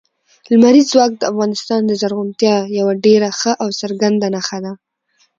لمریز ځواک د افغانستان د زرغونتیا یوه ډېره ښه او څرګنده نښه ده.